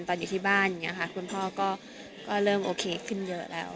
อยู่ที่บ้านอย่างนี้ค่ะคุณพ่อก็เริ่มโอเคขึ้นเยอะแล้ว